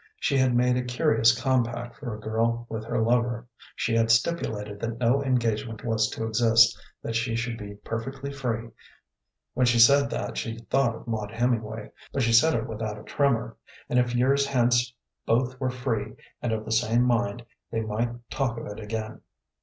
She had made a curious compact for a young girl with her lover. She had stipulated that no engagement was to exist, that she should be perfectly free when she said that she thought of Maud Hemingway, but she said it without a tremor and if years hence both were free and of the same mind they might talk of it again.